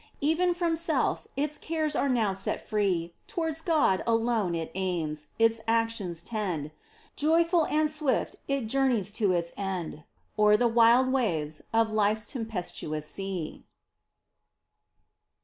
Even from self its cares are now set free ; T' wards God alone its aims, its actions tend — Joyful and swift it journeys to its end O'er the wild waves of life's tempestuous sea